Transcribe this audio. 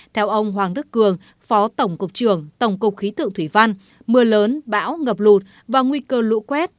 theo ông hoàng đức cường phó tổng cục trưởng tổng cục khí tượng thủy văn mưa lớn bão ngập lụt và nguy cơ lũ quét